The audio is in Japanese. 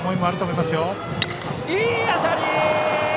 いい当たり！